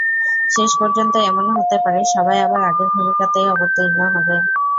শেষ পর্যন্ত এমনও হতে পারে, সবাই আবার আগের ভূমিকাতেই অবতীর্ণ হবেন।